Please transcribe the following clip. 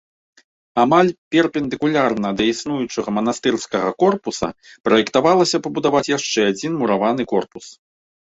Амаль перпендыкулярна да існуючага манастырскага корпуса праектавалася пабудаваць яшчэ адзін мураваны корпус.